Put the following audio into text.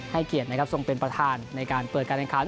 เกียรตินะครับทรงเป็นประธานในการเปิดการแข่งขัน